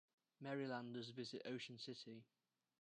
Marylanders visit Ocean City.